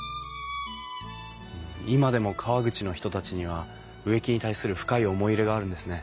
今でも川口の人たちには植木に対する深い思い入れがあるんですね。